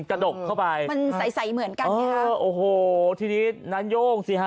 กระดกเข้าไปมันใสใสเหมือนกันไงฮะเออโอ้โหทีนี้นายโย่งสิฮะ